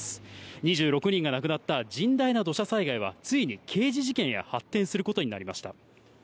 ２６人が亡くなった甚大な土砂災害は、ついに刑事事件へ発展することになりました。